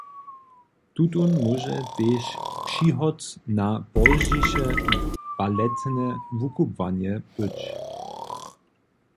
Tutón móže tež přihot na pozdźiše baletne wukubłanje być.